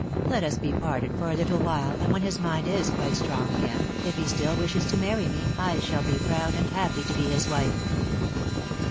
Let us be parted for a little while, and when his mind is quite strong again, if he still wishes to marry me, I shall be proud and happy to be his wife."